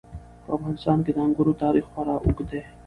په افغانستان کې د انګورو تاریخ خورا اوږد دی.